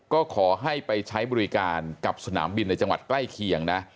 ก็ขอให้ไปใช้บริการกับสนามบินในจังหวัดใกล้เคียงนะ